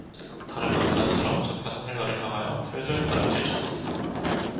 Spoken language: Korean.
달은 언제나처럼 저편 하늘가를 향 하여 슬슬 달음질쳤다.